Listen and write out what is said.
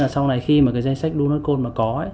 sau này khi mà cái danh sách lunar code mà có